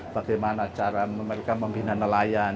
bagaimana cara mereka membina nelayan